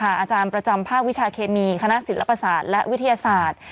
อาจารย์ประจำภาควิชาเคมีคณะศิลปศาสตร์และวิทยาศาสตร์